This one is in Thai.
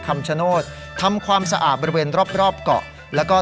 คำชโนธทำความสะอาดบริเวณรอบรอบเกาะแล้วก็